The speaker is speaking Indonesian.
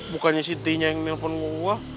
bukannya siti yang nelfon mulu ah